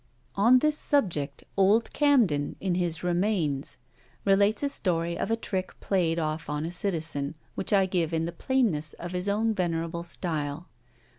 On this subject old Camden, in his Remains, relates a story of a trick played off on a citizen, which I give in the plainness of his own venerable style.